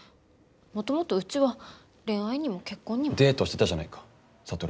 もともとうちは恋愛にも結婚にも。デートしてたじゃないか智と。